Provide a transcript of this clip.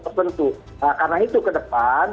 tertentu karena itu ke depan